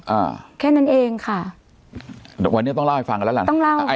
อ่าแค่นั้นเองค่ะวันนี้ต้องเล่าให้ฟังกันแล้วล่ะนะต้องเล่าอ่า